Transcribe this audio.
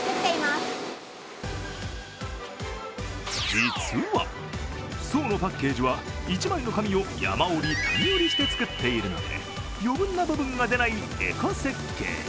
実は、爽のパッケージは１枚の紙を山折り、谷折りして作っているので、余分な部分が出ないエコ設計。